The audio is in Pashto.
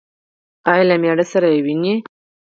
ایا له میړه سره وینئ؟